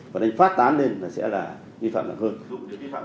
và anh phát tán lên là sẽ là ghi phạm nặng hơn